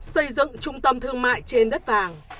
xây dựng trung tâm thương mại trên đất vàng